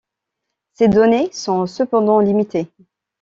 Ces données sont cependant limitées.